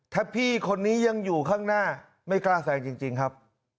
ถ้าพี่คนนี้ยังอยู่ข้างหน้าไม่กล้าแซงจริงครับ